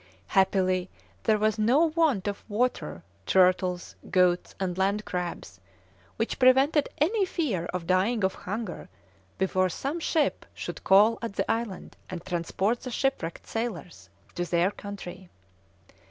Happily there was no want of water, turtles, goats, and land crabs, which prevented any fear of dying of hunger before some ship should call at the island, and transport the shipwrecked sailors to their country.